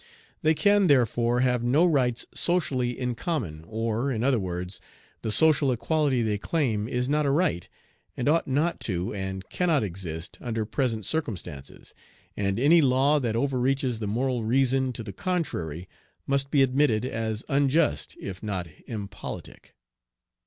They can therefore have no rights socially in common; or, in other words, the social equality they claim is not a right, and ought not to and cannot exist under present circumstances, and any law that overreaches the moral reason to the contrary must be admitted as unjust if not impolitic.